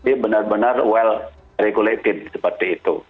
jadi mulai dari bahan baku baik itu bahan aktif baik itu bahan biasa baik itu bahan biasa